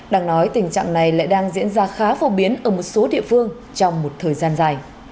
đang nói tình trạng này lại đang diễn ra khá phổ biến ở một số địa phương trong một thời gian dài